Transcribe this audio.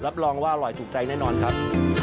รับรองว่าอร่อยถูกใจแน่นอนครับ